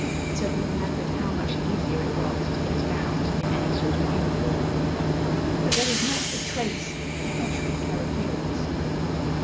till he remembered how much easier it was to get about in any sort of uniform); but there was not a trace of coquetry in her appearance.